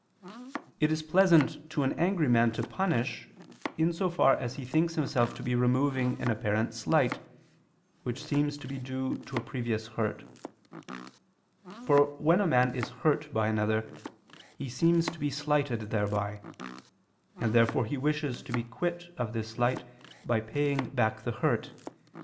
It is pleasant to an angry man to punish, in so far as he thinks himself to be removing an apparent slight, which seems to be due to a previous hurt: for when a man is hurt by another, he seems to be slighted thereby; and therefore he wishes to be quit of this slight by paying back the hurt.